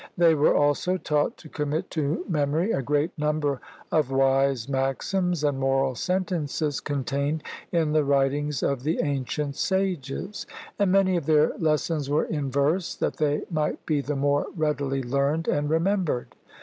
They were also taught to commit to memory a great number of wise maxims and moral sentences con tained in the writings of the ancient sages ; and many of their lessons were in verse, that they might be the more readily learned and remembered.